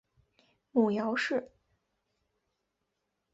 母姚氏。